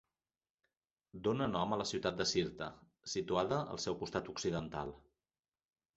Dóna nom a la ciutat de Sirta, situada al seu costat occidental.